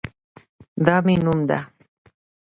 دا مې نوم ده